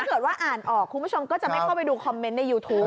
เกิดว่าอ่านออกคุณผู้ชมก็จะไม่เข้าไปดูคอมเมนต์ในยูทูป